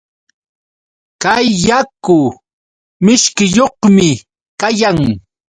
Kay yaku mishkiyuqmi kayan.